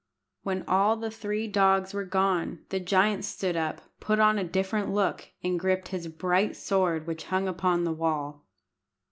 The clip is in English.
When all the three dogs were gone, the giant stood up, put on a different look, and gripped his bright sword which hung upon the wall.